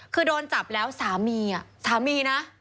คือโดนจับแล้วสามีสามีนะ